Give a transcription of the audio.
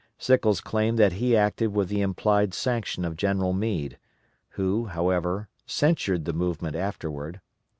Sickles claimed that he acted with the implied sanction of General Meade, who, however, censured the movement afterward.